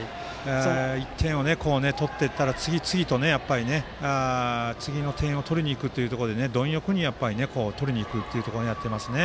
１点を取ったら次、次と次の点を取りにいくということでどん欲に取りにいくということをやっていますね。